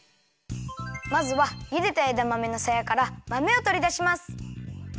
まずはゆでたえだまめのさやからまめをとりだします。